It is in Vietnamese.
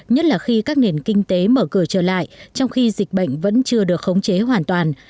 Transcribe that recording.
nhất là khi các nền kinh tế mở cửa trở lại trong khi dịch bệnh vẫn chưa được khống chế hoàn toàn